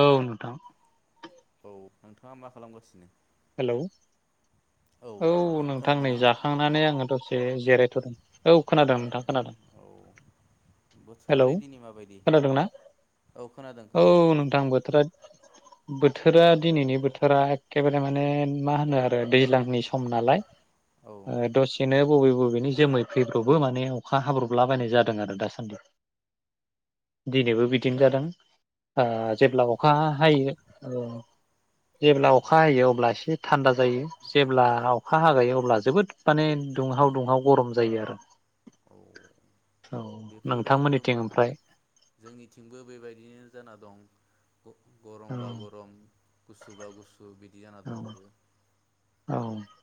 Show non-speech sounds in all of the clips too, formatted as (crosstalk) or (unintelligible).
औ नोंथां। औ नोंथाङा मा खालामगासिनो? हेलौ औ नोंथां नै जाखांनानै आङो दसे जिरायथदों। औ खोनादों नोंथां खोनादों औ हेलौ बोथोरालाय दिनै माबायदि खोनादोंना औ खोनादों औ खोनादों नोंथां औ बोथोरा बोथोरा दिनैनि बोथोरा एखेबा माने मा होनो आरो दैज्लांनि सम नालाय औ ओ दसेनो बबे बबेनि जोमै फैब्रबो माने अखा हाब्रबलाबायनाय जादों आरो दासान्दि। दिनैबो बिदिनो जादों जेब्ला अखा हा हायो जेब्ला औ अखा अखा हायो अब्ला एसे थान्दा जायो जेब्ला अखा हागायो अब्ला जोबोद माने दुंहाव दुंहाव गरम जायो आरो। औ औ बेफोरो नोंथांमोननिथिं मा ओमफ्राय जोंनिथिंबो बेबायदिनो जाना दं औ ग-गरमबा गरम गुसुबा बा गुसु बिदि जाना दंजोबो। औ ओ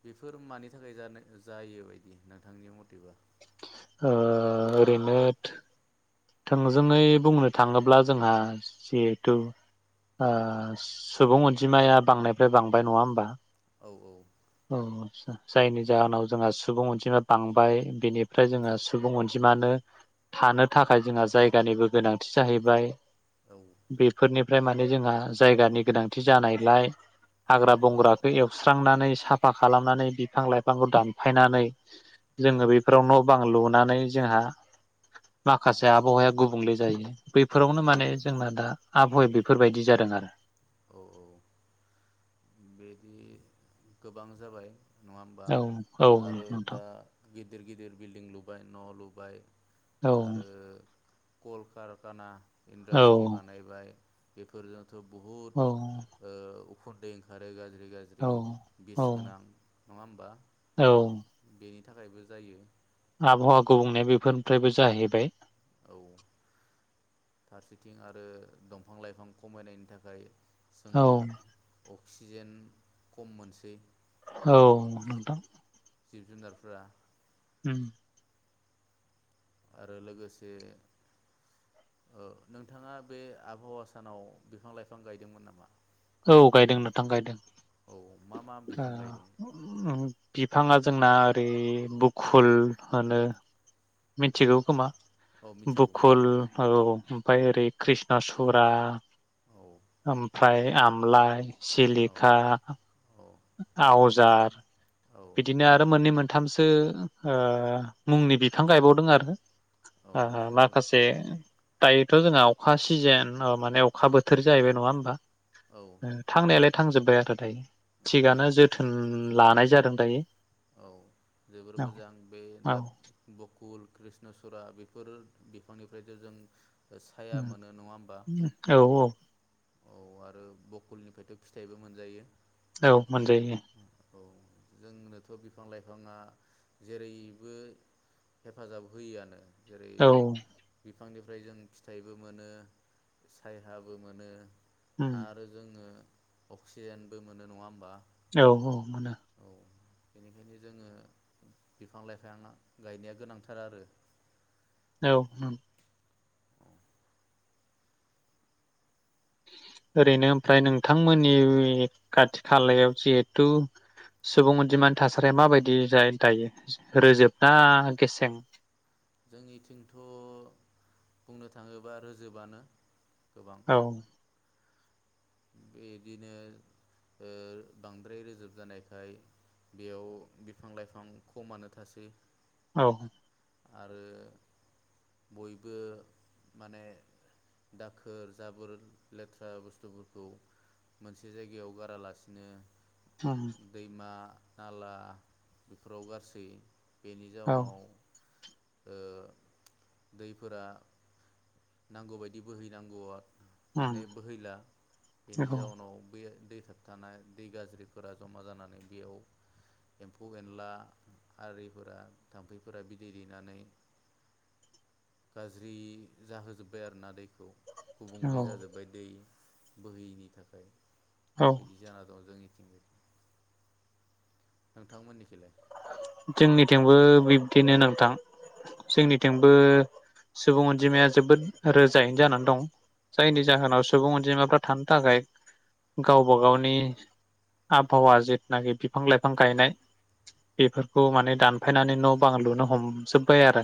बेफोर मानि थाखाय जानो जायो बायदि नोंथांनि मथेबा? ओ ओरैनो थोंजोङै बुंनो थाङोब्ला जोंहा जिहेथु सुबुं ओ अनजिमाया बांनायनिफ्राय बांबाय नङा होमबा? औ औ। औ आदसा जायनि जाहोनाव जोंहा सुबुं अनजिमा बांबाय बेनिफ्राय जोंहा सुबुं अनजिमानो थानो थाखाय जोंहा जायगानिबो गोनांथि जाहैबाय औ बेफोरनिफ्राय माने जोंहा जायगानि गोनांथि जानायलाय हाग्रा औ बंग्राखौ एवस्रांनानै साफा खालामनानै बिफां लाइफांखौ दानफायनानै जोङो औ बेफोराव न बां लु नानै जोंहा माखासे आबहावाया गुबुंले जायो बैफोरावनो माने जोंना दा आबहावाया बेफोरबायदि जादों आरो औ औ बिदि गोबां जाबाय नङा होमबा औ औ आरो नोंथां दा गिदिर गिदिर बिल्दिं लुबाय न' लुबाय औ आरो कलकारखाना औ इन्डास्ट्रि बानायबाय बेफोरजों थ' बहुत औ ओ उखुन्दै आरो गाज्रि गाज्रि औ बिस औ गोनां नङा होनबा औ। बेनि थाखायबो जायो। आबहावा गुबुंनाय बेफोरनिफ्रायबो जाहैबाय। औ फारसेथिं आरो दंफां लाइफां खमायनायनि थाखाय औ जोङो अक्सिजेन खम मोनसै औ नोंथां। जिब जुनारफोरा (inaudible) आरो लोगोसे नोंथाङा ओ बे आबहावा सानाव बिफां लाइफां गायदोंमोन नामा? औ गायदों नोंथां गायदों। औ मा मा बिफां गायदों? (unintelligible) बिफाङा जोंना ओरै बकुल होनो औ मिथिगौ खोमा औ मिथिगौ बकुल मिथिगौ औ ओमफाय ओरै कृष्ण सुरा औ ओमफ्राय आमलाइ औ सिलिखा औ आवजार औ बिदिनो आरो मोननै मोनथामसो ओ मुंनि बिफां गायबावदों आरो औ ओ ओ जोबोर माखासे दायोथ जोंहा अखा सिजेन अ माने अखा बोथोर जाहैबाय नङा होमबा? औ ओम थांनायालाय थांजोब्बाय आरो दायो। औ थिगानो जो थोन लानाय जादों दायो औ जोबोर मोजां बे औ दा बख कुल कृष्णचुरा बेफोर बिफांनिफ्रायथ' जों साया उम मोनो नङा होमबा उम औ औ। औ आरो बकुलनिफ्रायथ' फिथाइबो मोनजायो। औ मोनजायो। जोंनो बिफां लाइफाङा जेरैबो हेफाजाब होयोआनो। जेरै औ। बिफांनिफ्राय जों फिथाइबो मोनो सायहाबो मोनो। आरो जोङो अक्सिजेनबो मोनो नङा होमबा? औ औ मोनो। औ बेनिखायनो जोङो बिफां लाइफांया गायनाया गोनांथार आरो। औ (unintelligible) ओरैनो ओमफ्राय नोंथांमोननि खाथि खालायाव जिहेथु सुबुं अनजिमानि थासारिया माबायदि जायेन थायो रोजोबना गेसें? जोंनिथिंथ बुंनो थाङोब्ला रोजोबानो। गोबां औ ‌। बिदिनो ओ बांद्राय रोजोब जानायखाय बेयाव बिफां लाइफां खमानो थासै। औ। आरो बयबो माने दाखोर जाबोर लेथ्रा बुस्थुफोरखौ मोनसे जायगायाव गारालासिनो दैमा नाला बेफोराव गारसै। बेनि औ जाउनाव ओ दैफोरा नांगौबायदि बोहैनांगौआ माने उम बोहैला बेनि औ जाउनाव बे दै थाबथानाय दै गाज्रिफोरा जमा जानानै बेयाव एम्फौ एनला आरिफोरा थामफै फोरा बिदै दैेनानै गाज्रि जाहोजोब्बाय आरोना दै गुबुंले औ जाजोब्बाय दै बोहैयैनि थाखाय। औ बिदि जाना दं जोंनि नोंथां मोननि खैलाय? जोंनिथिंबो बिब्दिनो नोंथां जोंनिथिंबो सुबुं अनजिमाया जोबोद रोजायैनो जानानै दं। औ जायनि जाहोनाव सुबुं अनजिमाफोर थानो थाखाय गावबा गावनि आबहावा जेथुनाखि बिफां लाइफां गायनाय। बेफोरखौ माने दानफायनानै न बां लुनो हमजोब्बाय आरो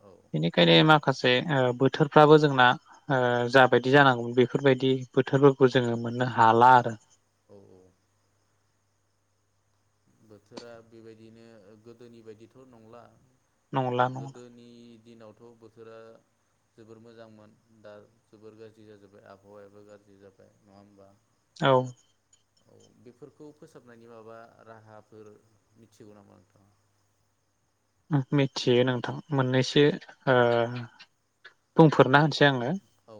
औ बेनिखायनो मा माखासे ओ बोथोरफ्राबो जोंना ओ जाबायदि जानांगौमोन बेफोरबायदि बोथोरफोरखौ जोङो मोननो हाला आरो औ बोथोरा बेबायदिनो ओ गोदोनि बायदिथ नंला। नंला नंला गोदोनि नावथ बोथोरा जोबोर मोजांमोन दा जोबोर गाज्रि जाजोब्बाय आबहावायाबो गाज्रि जाबाय नङा होमबा? औ। बेफोरखौ फोसाबनायनि माबा राहाब (unintelligible) मिथिगौ नाम नोंथाङा? मिथियो नोंथां मोननैसो ओ बुंफोरना होनसै आङो। औ।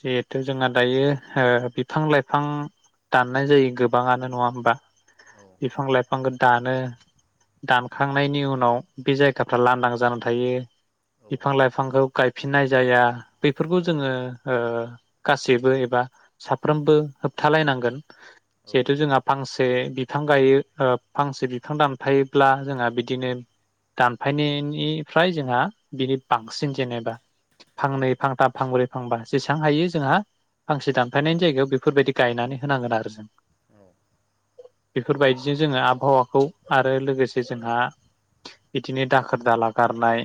जिहेथु जोंहा दायो ओ बिफां लाइफां दाननाय जायो गोबाङानो नङा होमबा औ बिफां लाइफां गोद दानो दानखांनायनि उन उनाव बे जायगाफ्रा लांदां जाना थायो। औ बिफां लाइफांगौ गायफिननाय जाया। बैफोरखौ औ जोङो ओ गासैबो एबा साफ्रोमबो होबथालायनांगोन। औ जिहेथु जोंहा फांस बे बिफां गायो ओ फांसे बिफां दानफायोब्ला जोंहा बिदिनो दानफायनायनिफ्राय जोंहा बिनि बांसिन जेनेबा औ फांनै फांथाम फांब्रै फांबा जेसेहां हायो जोंहा फांसे दानफायनायनि जायगायाव बेफोरबायदि गायनानै होनांगोन आरो जों। औ। बेफोरबायदिजों जोङो आबहावाखौ आरो लोगोसे जोंहा बिदिनो दाखोर दाला गारनाय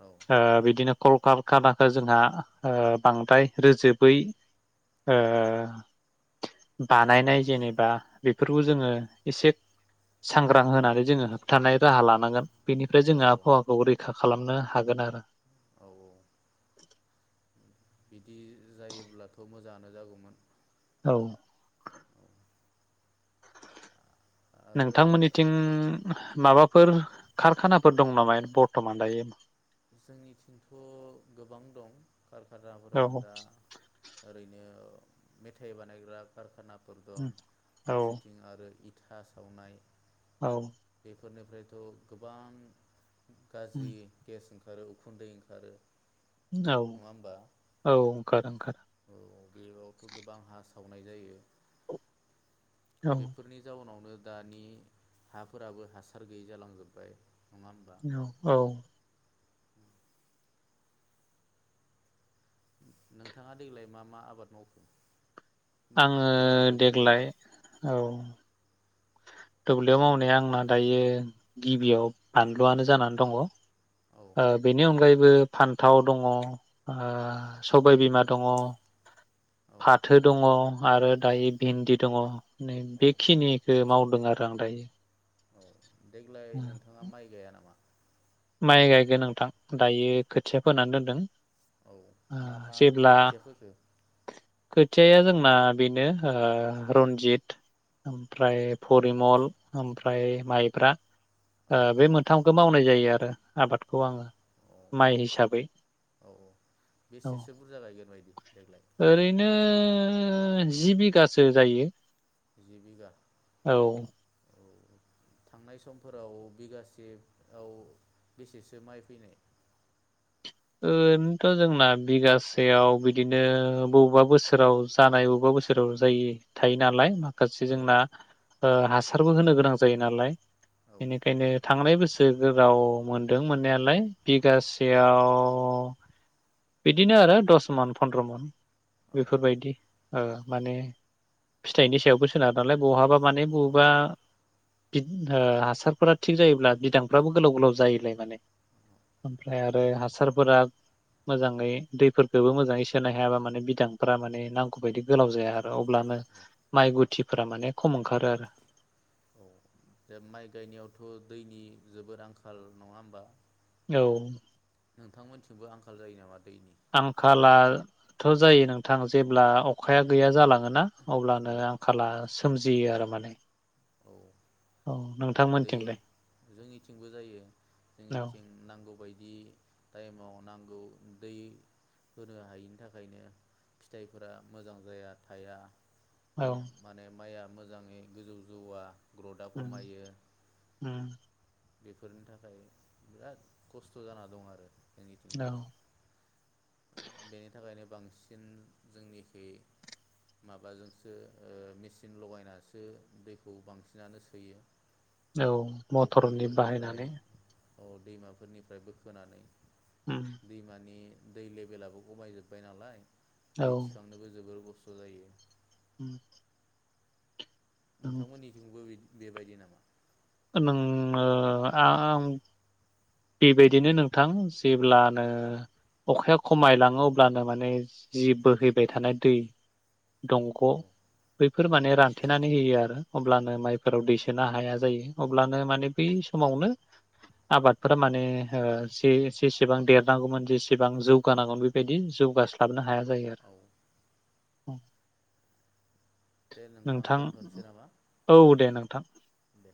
औ बिदिनो कल कार खानाखौ जोंहा ओ बांद्राय रोजोबै ओ बानायनाय जेनेबा बेफोरखौ जोङो एसे सांग्रां होनानै जोङो होबथानाय राहा लानांगोन। बेनिफ्राय औ जोंहा आबहावाखौ रैखा खालामनो हागोन आरो औऔ बिदि जायोब्लाथ मोजाङानो जागौमोन। औ नोंथां आरो मोननिथिं माबाफोर कारखानाफोर दं नामा? बरथमान दायो जोंनिथिंथ गोबां दं कारखानाफोरा औ दा ओरैनो मेथाइ बानायग्रा खारखाना फोर दं औ फारसेथिं आरो इ था सावनाय औ फोरनिफ्रायथ गोबां गाज्रि ओंखारो उखुन्दै ओंखारो औ नङा होमबा औ ओंखारो ओंखारो औ बेयावथ' गोबां हा सावनाय जायो। औ बेफोरनि जाउनावनो दानि हाफोराबो हासार गैयि जालांजोब्बाय नङा होमबा औ औ नोंथाङा देग्लाय मा मा आबाद मावखो आङो दुब्लियाव देग्लाय औ दुब्लियाव मावनाया आंना दायो गिबियाव बानलुआनो जानानै दङ। ओ औ बेनि अनगायैबो बो फान्थाव दङ ओ सबायबिमा दङ औ फाथो दङ आरो दायो भिन्दि दङ नै औ बेखिनि जो मावदों आरो आं दायो। औ देग्लाय नोंथाङा माइ गाया नामा? माइ गायगोन नोंथां दायो खोथिया फोनानै दोनदों। औ ओ मा मा जेब्ला खोथिया फोखो? खोथ थियाया जोंना बेनो ओ रन्जित ओमफ्राय परिमल ओमफ्राय माइब्रा औ ओ बे मोनथामखौ मावनाय जायो आर रो आबादखौ औ आङो औ माइ हिसाबै औ औ बेसेसो बुरजा गायगोन बायदि देग्लाय? ओरैनो ओ जि बिघासो जायो जि बिघा औ औ थांनाय समफोराव बिगासेआव औ बेसेसो माइ फैनाय ओरैनोथ जोंना बिगासेयाव बिदिनो बबेबा बोसोराव जानाय बबेबा बोसोराव जायो थायो नालाय गासै औ जोंना ओ हासारबो होनो गोनां जायो नालाय औ बेनिखायनो थांनाय बोस सो गोलाव मोनदों मोननायालाय बिगासेयाव बिदिनो आरो दस मन फन्द्र मन औ बेफोरबायदि आरो माने फिथाइनि सायावबो सोनारो नालाय बहाबा माने औ बबेबा बिद हासारफोरा थिग जायोब्ला बिदांफ्राबो गोलाव गोलाव जायोलाय माने ओमफ्राय आरो हासारफोरा मोजाङै दैफोरखौबो मोजाङै सोनो हायाबा माने बिदांफ माने नांगौबायायदि गोलाव जाया आरो अब्लानो माइ गुथिफोरा माने खम ओंखारो आरो औ दे माइ गायनायावथ दैनि जोबोद आंखाल नङा होमबा औ नोंथांमोनथिंबो आंखाल जायो नामा दै आंखालाथ जायो नोंथां जेब्ला अखाया गैया जालां (unintelligible) ना औ अब्लानो आंखाला सो सोमजियो आरो माने। औ औ आरो दै नोंथांमोनथिंलाय जोंनिथिंबो जायो औ जोंनिथिं नांगौबायायदि टाइमाव नांगौ दै होनो हायिनि थाखायनो फिथाइफोरा मोजां जाया थाया औ दं माने माइया मोजाङै गोजौ जौवा ग्रथआ उम खमायो उम बेफोरनि थाखाय बिराद खस्थ जाना दं आरो जोंनिथिंबो औ बेनि थाखायनो बांसिन जोंनिखै माबाजोंसो ओ मेचिन लगायनासो दैखौ बांसिनानो सोयो। औ मटरनि बाहायनानै औ दैमाफोरनिफ्राय बोखोनानै उम दैमानि दै लेबेलाबो गमायजोब्बाय नालाय औ दै थिखांनोबो जोबोर गस्थ ज जायो ओम नोंथांमोननिथिंबो बिदि बेबायदि नामा नोंं (unintelligible) बेबायदिनो नोंथां जेब्लानो अखाया खमायलाङो अब्लानो माने जि बोहैबाय थानाय दै दंग' औ बैफोर माने रानथेनानै होयो आरो अब्लानो माइफोराव दैसोनो हाया जायो अब्लानो माने बै समावनो आबाद फोर माने ओ जेसेबां देरनांगौमोन जेसेबां जौगानांगौमोन बेबायदि जौगास्लाबनो हाया जायो औ आरो। दे नोंथां दोनथ'नोसै नामा औ दे नोंथां। दे